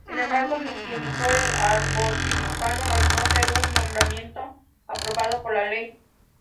Sin embargo, dimitió del arzobispado al no ser un nombramiento aprobado por el rey.